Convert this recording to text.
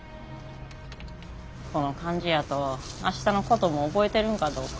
この感じやと明日のことも覚えてるんかどうか。